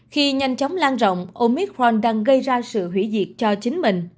khi nhanh chóng lan rộng omicron đang gây ra sự hủy diễn